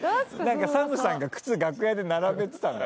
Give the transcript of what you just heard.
ＳＡＭさんが靴楽屋で並べてたんだって。